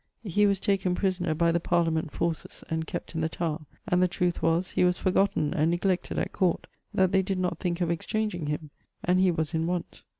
[XXVIII.] He was taken prisoner by the Parliament forces, and kept in the Tower; and the trueth was, he was forgotten and neglected at Court, that they did not thinke of exchanging him, and he was in want.